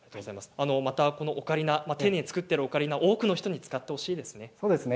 このオカリナ手で作っているオカリナは多くの人に使ってほしいですね。